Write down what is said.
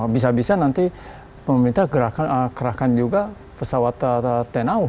bisa bisa nanti pemerintah kerahkan juga pesawat tenau